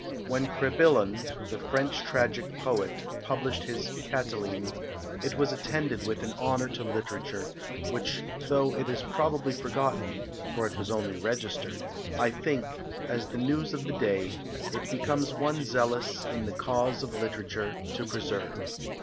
When Crebillon, the French tragic poet, published his Catiline, it was attended with an honour to literature, which though it is probably forgotten, for it was only registered, I think, as the news of the day, it becomes one zealous in the cause of literature to preserve.